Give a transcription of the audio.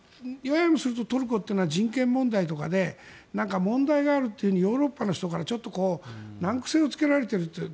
ＥＵとするとトルコは人権問題とかで問題があるとヨーロッパの人から難癖をつけられていると。